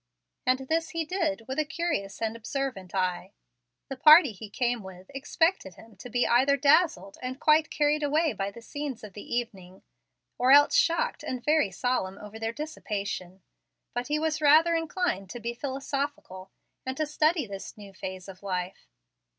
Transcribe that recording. And this he did with a curious and observant eye. The party he came with expected him to be either dazzled and quite carried away by the scenes of the evening, or else shocked and very solemn over their dissipation. But he was rather inclined to be philosophical, and to study this new phase of life.